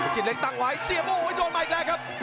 จินเล็งตั้งไหวเสียบโอ้โหโดนใหม่แกร่ครับ